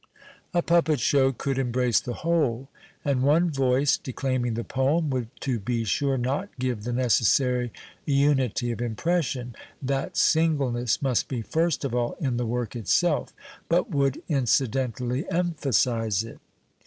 A puppet show could embrace the whole, and one voice declaiming the poem would to be sure not give the necessary unity of impression — that singleness must be first of all in the work itself — but would incidentally emphasize it.